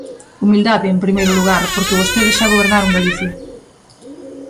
Humildade, en primeiro lugar, porque vostedes xa gobernaron Galicia.